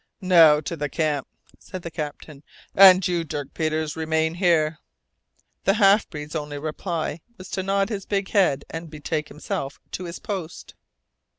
"Now to the camp," said the captain, "and you, Dirk Peters, remain here!" The half breed's only reply was to nod his big head and betake himself to his post.